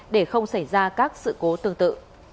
để không xảy ra các sự cố tương tự